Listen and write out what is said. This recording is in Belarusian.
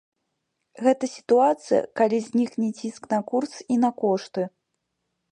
Гэта сітуацыя, калі знікне ціск на курс і на кошты.